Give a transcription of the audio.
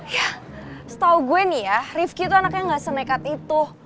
ya setahu gue nih ya rifki itu anaknya gak senekat itu